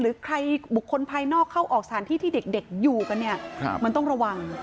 หรือใครบุคคลภายนอกเข้าออกสถานที่ที่เด็กอยู่กันเนี่ยมันต้องระวัง